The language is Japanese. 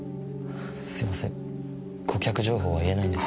すいません顧客情報は言えないんです。